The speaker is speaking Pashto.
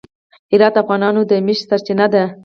هرات د افغانانو د معیشت سرچینه ده.